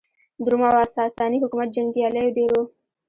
د روم او ساسا ني حکومت جنګیالېیو ډېر وو.